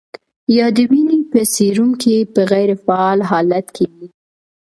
یا د وینې په سیروم کې په غیر فعال حالت کې وي.